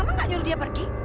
emang gak nyuruh dia pergi